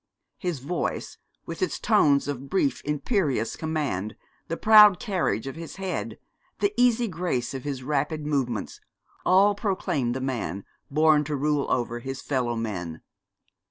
His voice, with its tones of brief imperious command, the proud carriage of his head, the easy grace of his rapid movements, all proclaimed the man born to rule over his fellow men.